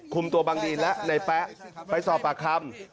คุมตัวบังดีนและในแป๊ะไปสอบปากคำ